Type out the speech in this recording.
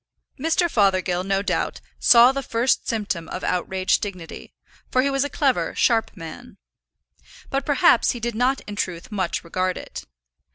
Mr. Fothergill, no doubt, saw the first symptom of outraged dignity, for he was a clever, sharp man. But, perhaps, he did not in truth much regard it.